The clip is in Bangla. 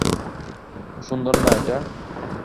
সুন্দর না এটা?